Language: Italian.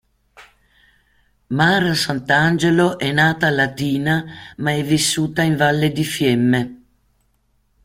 Mara Santangelo è nata a Latina, ma è vissuta in valle di Fiemme.